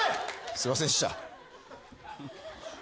すいませんっした。